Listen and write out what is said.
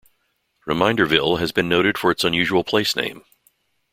Reminderville has been noted for its unusual place name.